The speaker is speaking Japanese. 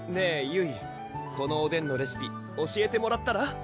ゆいこのおでんのレシピ教えてもらったら？